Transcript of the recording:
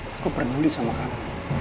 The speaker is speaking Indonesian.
aku peduli sama kamu